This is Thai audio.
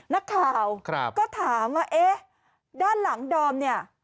นักข่าวก็ถามว่าเอ๊ะด้านหลังดอมเนี่ย